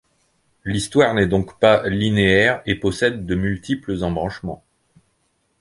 L'histoire n'est donc pas linéaire et possède de multiples embranchements.